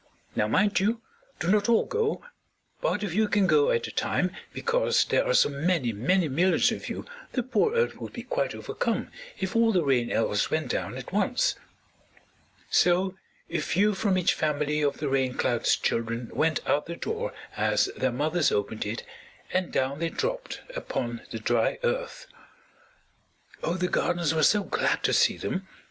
"Now, mind you, do not all go. Part of you can go at a time, because there are so many, many millions of you; the poor Earth would be quite overcome if all the Rain Elves went down at once." So a few from each family of the Rain Cloud's children went out the door as their mothers opened it and down they dropped upon the dry Earth. Oh, the gardens were so glad to see them!